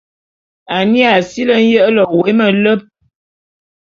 Annie a sili nyele wé meleb.